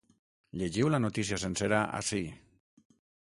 Llegiu la notícia sencera ací.